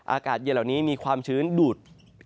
อากาศเย็นเหล่านี้มีความชื้นดูด